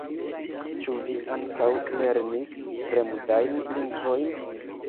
Ĉu vi ankaŭ lernis fremdajn lingvojn?